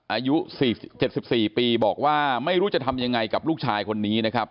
อายุ๗๔ปีบอกว่าไม่รู้จะทำยังไงกับลูกชายคนนี้นะครับ